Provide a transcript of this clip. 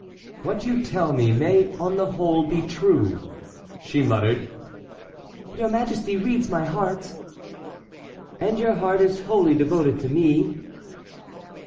"What you tell me may on the whole be true," she murmured. "Your majesty reads my heart." "And your heart is wholly devoted to me?"